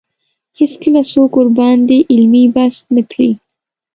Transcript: هېڅکله څوک ورباندې علمي بحث نه کړي